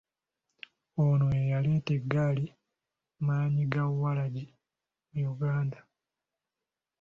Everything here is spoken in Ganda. Ono ye yaleeta eggaali mmaanyigaawalagi mu Uganda?